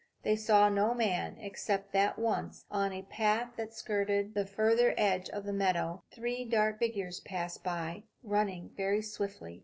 They saw no man, except that once, on a path that skirted the farther edge of a meadow, three dark figures passed by, running very swiftly.